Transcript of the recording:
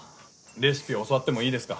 レシピ教わってもいいですか？